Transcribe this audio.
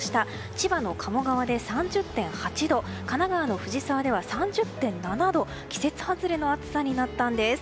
千葉の鴨川で３０．８度神奈川の藤沢で３０．７度と季節外れの暑さになったんです。